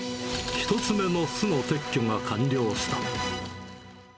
１つ目の巣の撤去が完了した。